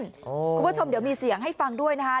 คุณผู้ชมเดี๋ยวมีเสียงให้ฟังด้วยนะคะ